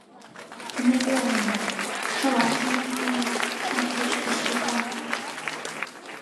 — Ме веле мо, чылан чумыргеныт, — вашештыш Султан.